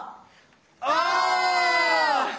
お！